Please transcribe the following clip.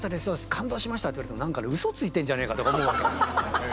感動しました」って言われても何かウソついてんじゃねえかとか思うわけ。